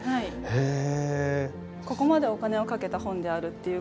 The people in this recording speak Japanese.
へえ。